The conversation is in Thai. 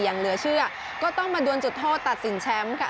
อย่างเหลือเชื่อก็ต้องมาดวนจุดโทษตัดสินแชมป์ค่ะ